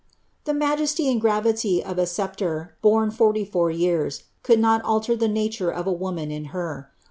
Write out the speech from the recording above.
The majesty and gravity of a sceptre, borne foriv I'our j'ears,' could not alier the nature of a woman in lier.